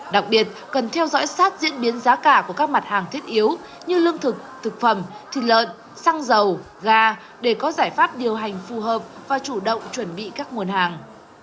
đặc biệt cần theo dõi sát diễn biến giá cả của các mặt hàng thiết yếu như lương thực thực phẩm thịt lợn xăng dầu ga để có giải pháp điều hành phù hợp và chủ động chuẩn bị các nguồn hàng